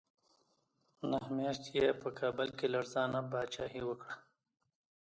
نهه میاشتې یې په کابل کې لړزانه پاچاهي وکړه.